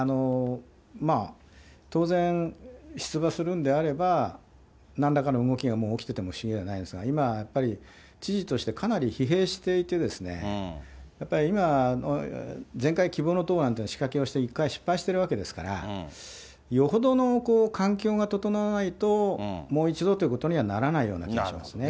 まあ、当然、出馬するんであれば、なんらかの動きがもう起きてても不思議ではないですが、今はやっぱり知事としてかなり疲弊していて、やっぱり今、前回希望の党で仕掛けをして一回失敗しているわけですから、よほどの環境が整わないと、もう一度ということにはならないような気がしますね。